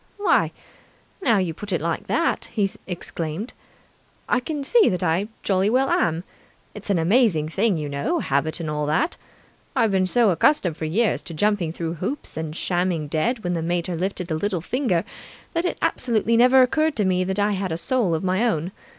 "Why, now you put it like that," he exclaimed, "I can see that I jolly well am! It's an amazing thing, you know, habit and all that. I've been so accustomed for years to jumping through hoops and shamming dead when the mater lifted a little finger, that it absolutely never occurred to me that I had a soul of my own.